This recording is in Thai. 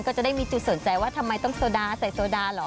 ก็จะได้มีจุดสนใจว่าทำไมต้องโซดาใส่โซดาเหรอ